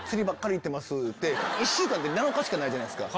１週間って７日しかないじゃないですか。